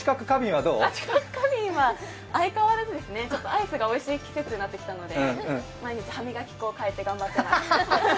相変わらずですねアイスがおいしい季節になってきたので毎日、歯磨き粉を変えて頑張ってます。